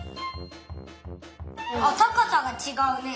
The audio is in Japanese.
あったかさがちがうね。